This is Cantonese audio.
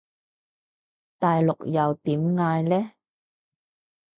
大陸又點嗌呢？